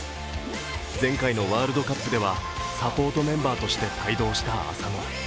前回のワールドカップではサポートメンバーとして帯同した浅野。